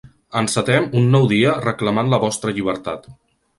Encetem un nou dia reclamant la vostra llibertat.